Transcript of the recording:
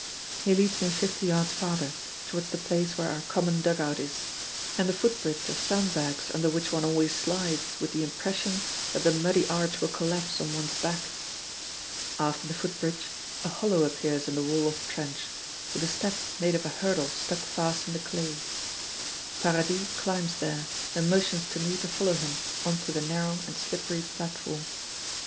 He leads me fifty yards farther, towards the place where our common dug out is, and the footbridge of sandbags under which one always slides with the impression that the muddy arch will collapse on one's back. After the footbridge, a hollow appears in the wall of the trench, with a step made of a hurdle stuck fast in the clay. Paradis climbs there, and motions to me to follow him on to the narrow and slippery platform.